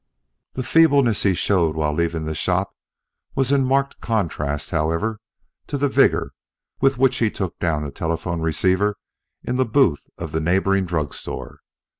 The feebleness he showed while leaving the shop was in marked contrast, however, to the vigor with which he took down the telephone receiver in the booth of the neighboring drug store.